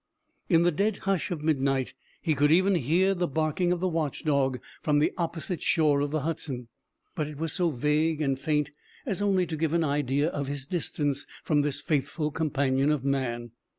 In the dead hush of midnight he could even hear the barking of the watch dog from the opposite shore of the Hudson; but it was so vague and faint as only to give an idea of his distance from this faithful companion of man.